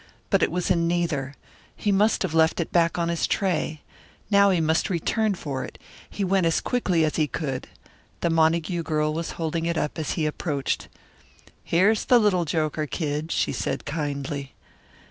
But it was in neither. He must have left it back on his tray. Now he must return for it. He went as quickly as he could. The Montague girl was holding it up as he approached. "Here's the little joker, Kid," she said kindly.